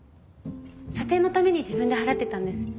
査定のために自分で払ってたんです。